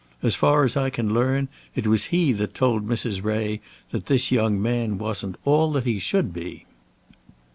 As far as I can learn, it was he that told Mrs. Ray that this young man wasn't all that he should be."